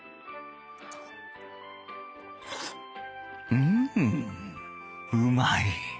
うんうまい